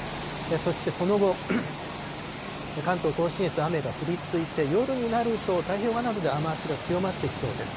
そしてその後、関東甲信越、雨は降り続いて、夜になると太平洋側などで雨足が強まってきそうです。